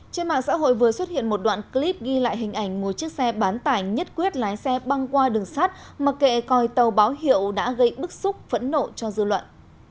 trên mạng xã hội vừa xuất hiện một đoạn clip ghi lại hình ảnh một chiếc xe bán tải nhất quyết lái xe băng qua đường sát mà kệ coi tàu báo hiệu đã gây bức xúc phẫn nộ cho dư luận